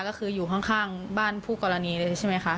ก็คืออยู่ข้างบ้านผู้กรณีเลยใช่ไหมคะ